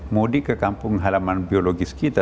mudik ke kampung halaman biologis kita